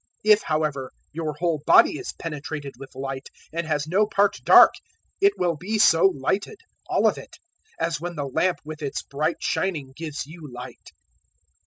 011:036 If, however, your whole body is penetrated with light, and has no part dark, it will be so lighted, all of it, as when the lamp with its bright shining gives you light."